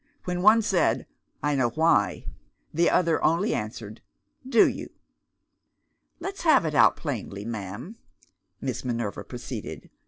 When one said, "I know why," the other only answered, "Do you?" "Let's have it out plainly, ma'am," Miss Minerva proceeded.